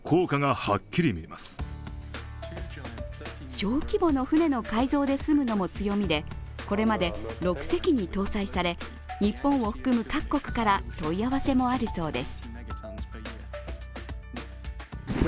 小規模の船の改造で済むのも強みでこれまで６隻に搭載され日本を含む各国から問い合わせもあるそうです。